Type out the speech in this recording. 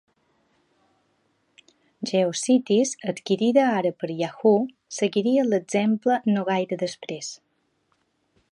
GeoCities, adquirida ara per Yahoo!, seguiria l'exemple no gaire després.